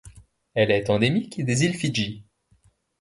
Elle est endémique des îles Fidji.